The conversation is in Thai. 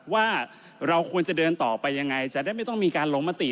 ว่าเราควรจะเดินต่อไปยังไงจะได้ไม่ต้องมีการลงมติ